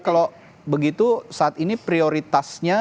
kalau begitu saat ini prioritasnya